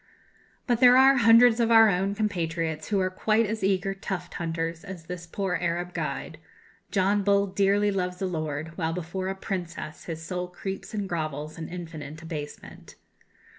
But there are hundreds of our own compatriots who are quite as eager tuft hunters as this poor Arab guide! John Bull dearly loves "a lord," while before "a princess" his soul creeps and grovels in infinite abasement.